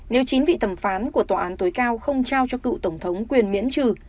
nếu chính vị tầm phán của tòa án tối cao không trao cho cựu tổng thống quyền miễn trừ